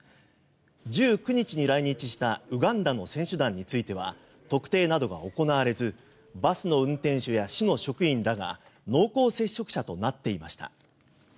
１９日に来日したウガンダの選手団については特定などが行われずバスの運転手や市の職員らが濃厚接触者となっていました。